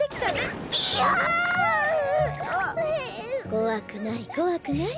こわくないこわくない。